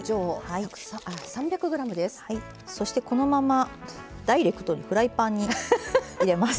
そしてこのままダイレクトにフライパンに入れます。